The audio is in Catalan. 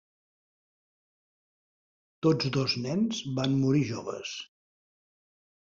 Tots dos nens van morir joves.